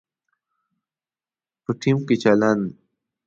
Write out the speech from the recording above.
په ټیم کې چلند